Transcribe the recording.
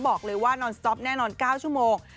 บอกเลยว่านอนสต๊อปแน่นอน๙ชั่วโมง